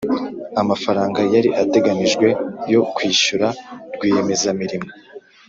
amafaranga yari ategenijwe yo kwishyura rwiyemezamirimo